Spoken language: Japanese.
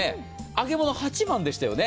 揚げ物、８番でしたよね。